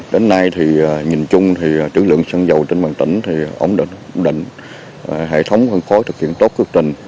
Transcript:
đến nay nhìn chung trữ lượng xăng dầu trên bàn tỉnh ổn định hệ thống hân khối thực hiện tốt cơ trình